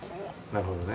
なるほどね。